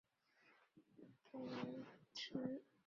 池袋站东口的巴士站请参照东池袋。